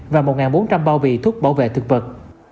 và một bốn trăm linh bao bì thuốc bảo vệ thực vật